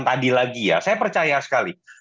tadi lagi ya saya percaya sekali